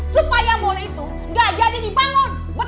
supaya mall itu gak jadi dipangun